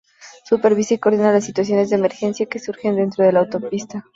Supervisa y coordina las situaciones de emergencia que surjan dentro de la autopista.